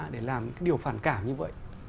để làm những cái điều phản cảm như vậy